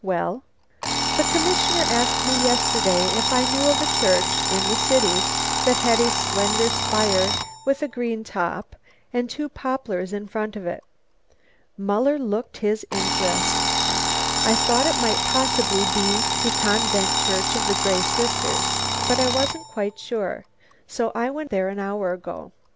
"Well?" "The commissioner asked me yesterday if I knew of a church in the city that had a slender spire with a green top and two poplars in front of it." Muller looked his interest. "I thought it might possibly be the Convent Church of the Grey Sisters, but I wasn't quite sure, so I went there an hour ago.